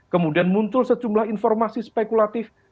kemudian muncul sejumlah informasi spekulatif